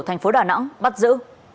thành phố đà nẵng bắt giữ